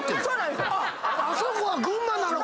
あそこは群馬なのか！